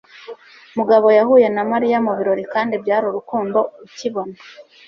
Mugabo yahuye na Mariya mu birori, kandi byari urukundo ukibona.